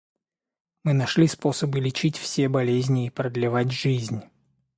Мы нашли способы лечить все болезни и продлевать жизнь.